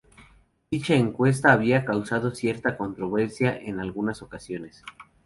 Dicha encuesta había causado cierta controversia en algunas ocasiones.